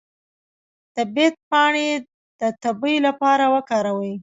د بید پاڼې د تبې لپاره وکاروئ